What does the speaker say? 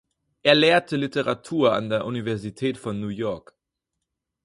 Er lehrte Literatur an der Universität von New York.